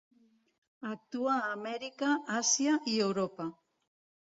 Actua a Amèrica, Àsia i Europa.